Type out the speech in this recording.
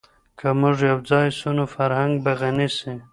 که موږ یو ځای سو نو فرهنګ به غني سي.